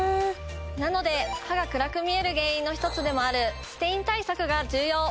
なので歯が暗く見える原因の１つでもあるステイン対策が重要！